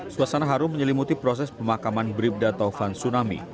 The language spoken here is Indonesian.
suasana harum menyelimuti proses pemakaman bribda taufan tsunami